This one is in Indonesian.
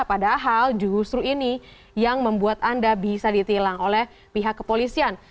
padahal justru ini yang membuat anda bisa ditilang oleh pihak kepolisian